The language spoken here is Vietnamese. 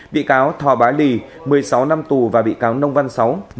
bị cáo thò bá lì một mươi sáu năm tù và bị cáo nông văn sáu